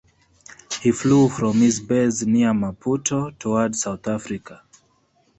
He flew from his base near Maputo towards South Africa.